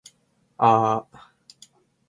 あー。